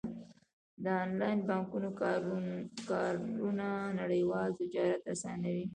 د انلاین بانکونو کارونه نړیوال تجارت اسانوي.